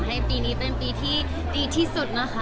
ปีนี้เป็นปีที่ดีที่สุดนะคะ